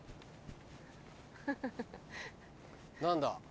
何だ？